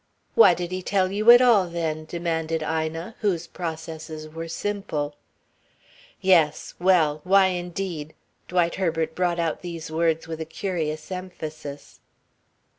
"Why did he tell you at all, then?" demanded Ina, whose processes were simple. "Yes. Well! Why indeed?" Dwight Herbert brought out these words with a curious emphasis.